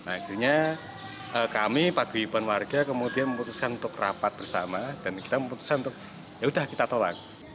akhirnya kami paguyuban warga kemudian memutuskan untuk rapat bersama dan kita memutuskan untuk yaudah kita tolak